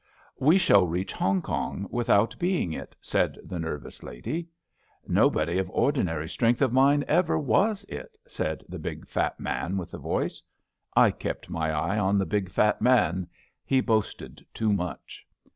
We shall reach Hongkong without being it,*' said the nervous lady. ^^ Nobody of ordinary strength of mind ever was it,'* said the big fat man with the voice. I kept my eye on the big fat man. He boasted too much.